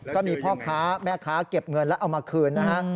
ก็มีพ่อค้าแม่ค้าเก็บเงินแล้วเอามาคืนนะฮะ